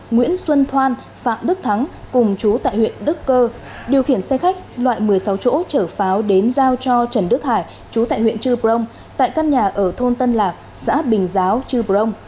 nguyễn xuân thoan phạm đức thắng cùng chú tại huyện đức cơ điều khiển xe khách loại một mươi sáu chỗ chở pháo đến giao cho trần đức hải chú tại huyện trư prong tại căn nhà ở thôn tân lạc xã bình giáo chư prong